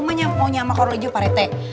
maunya apa sama kolor hijau parete